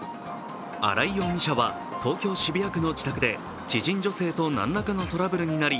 新井容疑者は東京・渋谷区の自宅で知人女性と何らかのトラブルになり、